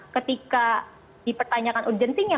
ketika dipertanyakan urgensinya